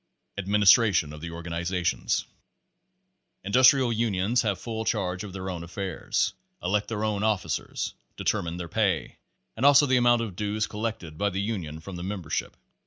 Page Fifteen Administration of the Organizations Industrial Unions have full charge of all their own affairs; elect their own officers; determine their pay; and also the amount of dues collected by the union from the membership.